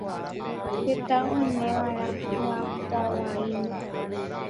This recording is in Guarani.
hete oimeva'erã hyakuãvaíma